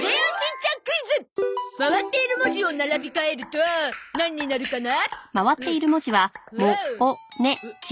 回っている文字を並び替えるとなんになるかな？